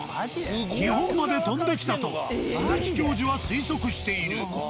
日本まで飛んで来たと鈴木教授は推測している。